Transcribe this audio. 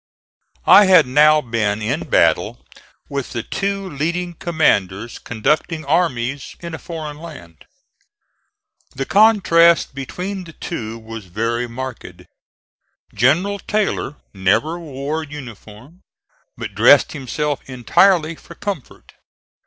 I had now been in battle with the two leading commanders conducting armies in a foreign land. The contrast between the two was very marked. General Taylor never wore uniform, but dressed himself entirely for comfort.